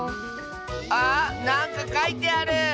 あなんかかいてある！